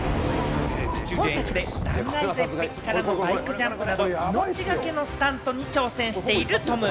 今作で断崖絶壁からのバイクジャンプなど命懸けのスタントに挑戦しているトム。